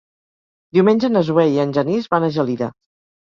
Diumenge na Zoè i en Genís van a Gelida.